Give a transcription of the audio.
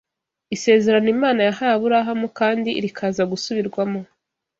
Isezerano Imana yahaye Aburahamu kandi rikaza gusubirwamo